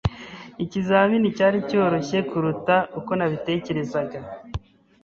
Ikizamini cyari cyoroshye kuruta uko nabitekerezaga.